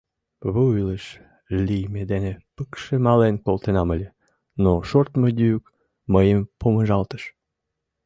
Вуй лыж лийме дене пыкше мален колтенам ыле, но шортмо йӱк мыйым помыжалтыш.